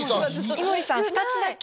井森さん２つだけ。